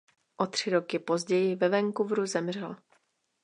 O tři roky později ve Vancouveru zemřel.